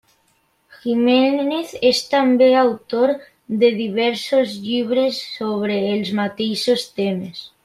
Jiménez és també autor de diversos llibres sobre els mateixos temes.